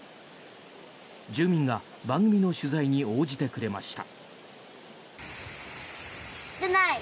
住民が番組の取材に応じてくれました。